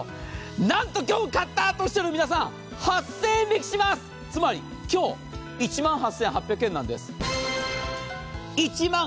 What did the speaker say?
なんと今日買ったとおっしゃる皆さん、８０００円引きしまする今日１万８８００円なんです。